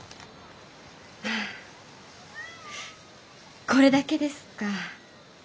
あこれだけですか？